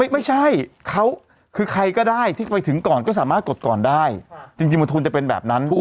ไม่ใช่เขาคือใครก็ได้ที่ไปถึงก่อนก็สามารถกดก่อนได้จริงมันทุนจะเป็นแบบนั้น